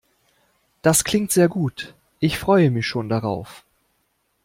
Das klingt sehr gut. Ich freue mich schon darauf.